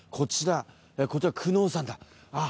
こちら久能山だ。